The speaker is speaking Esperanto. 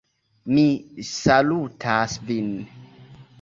Mi salutas vin.